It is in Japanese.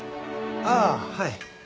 ああはい。